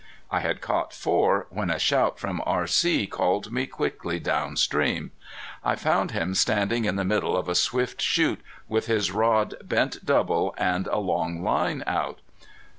I had caught four when a shout from R.C. called me quickly down stream. I found him standing in the middle of a swift chute with his rod bent double and a long line out.